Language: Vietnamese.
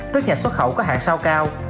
tức nhà xuất khẩu có hạng sao cao